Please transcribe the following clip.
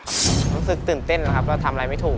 รู้สึกตื่นเต้นนะครับก็ทำอะไรไม่ถูก